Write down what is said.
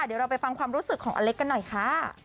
เดี๋ยวเราไปฟังความรู้สึกของอเล็กกันหน่อยค่ะ